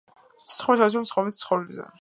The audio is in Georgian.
სავარცხლურები თავისუფლად მცხოვრები ცხოველებია.